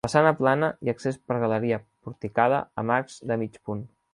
Façana plana i accés per galeria porticada amb arcs de mig punt.